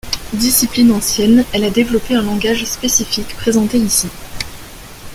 Discipline ancienne, elle a développé un langage spécifique présenté ici.